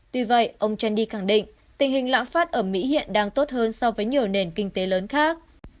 tuy vậy ông chandy khẳng định tình hình lãng phát ở mỹ hiện đang tốt hơn so với nhiều nền kinh tế lớn khác